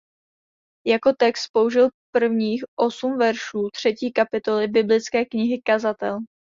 Jako text použil prvních osm veršů třetí kapitoly biblické Knihy Kazatel.